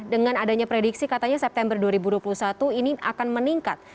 dengan adanya prediksi katanya september dua ribu dua puluh satu ini akan meningkat